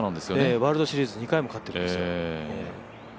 ワールドシリーズ、２回も勝っているんですよ。